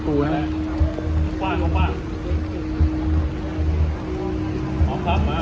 พูดได้ครับตอนนี้ฮะ